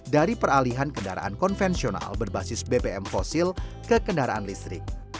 dari peralihan kendaraan konvensional berbasis bpm fosil ke kendaraan listrik